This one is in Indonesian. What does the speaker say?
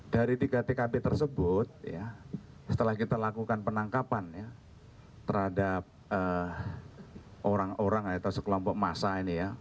dari tiga tkp tersebut setelah kita lakukan penangkapan ya terhadap orang orang atau sekelompok massa ini ya